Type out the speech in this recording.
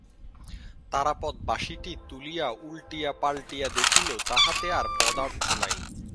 তারাপদ বাঁশিটা তুলিয়া উলটিয়া পালটিয়া দেখিল, তাহাতে আর পদার্থ নাই।